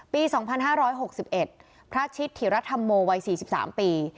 ปี๒๕๖๑พระชิตถิรัฐโมวัย๔๓ปี